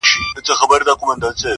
ځوان ناست دی~